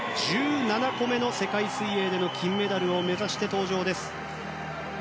１７個目の世界水泳での金メダルを目指して登場です。